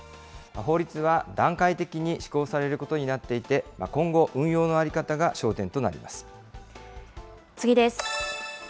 法律は段階的に施行されることになっていて、今後、運用の在り方次です。